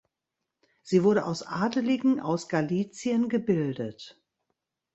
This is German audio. Sie wurde aus Adeligen aus Galizien gebildet.